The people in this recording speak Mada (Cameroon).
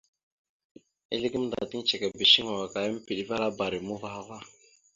Ezle gamənda tiŋgəcekaba shuŋgo aka ya mepeɗevara barima uvah ava.